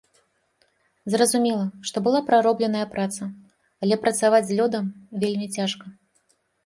Зразумела, што была праробленая праца, але працаваць з лёдам вельмі цяжка.